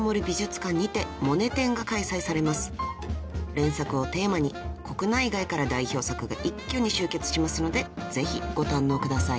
［連作をテーマに国内外から代表作が一挙に集結しますのでぜひご堪能ください］